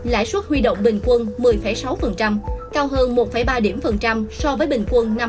lãi suất huy động bình quân một mươi sáu cao hơn một ba điểm phần trăm so với bình quân năm hai nghìn một mươi